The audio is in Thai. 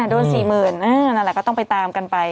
โดน๔๐๐๐นั่นแหละก็ต้องไปตามกันไป